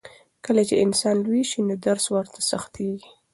کله چې انسان لوی شي نو درس ورته سختېږي.